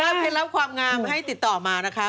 เคล็ดลับความงามให้ติดต่อมานะคะ